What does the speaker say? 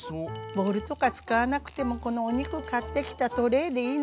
ボウルとか使わなくてもこのお肉買ってきたトレーでいいのよ。